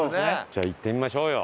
じゃあ行ってみましょうよ！